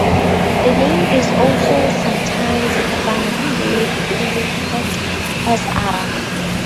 The name is also sometimes transliterated as Ara.